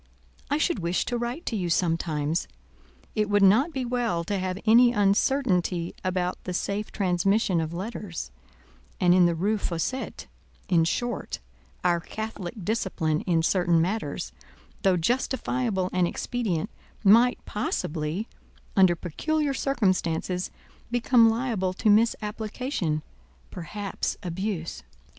I should wish to write to you sometimes: it would not be well to have any uncertainty about the safe transmission of letters; and in the Rue Fossette—in short, our Catholic discipline in certain matters—though justifiable and expedient—might possibly, under peculiar circumstances, become liable to misapplication—perhaps abuse."